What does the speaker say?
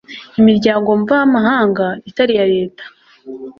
imiryango mvamahanga itari iya leta